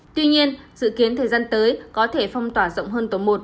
tuy nhiên dự kiến thời gian tới có thể phong tỏa rộng hơn tổ một